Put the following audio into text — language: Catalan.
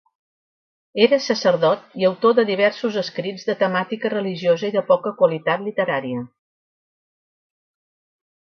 Era sacerdot i autor de diversos escrits de temàtica religiosa i de poca qualitat literària.